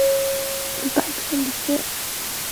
麦卡锡在赛季进行到一半便离任。